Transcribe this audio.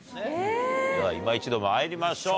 ではいま一度まいりましょう。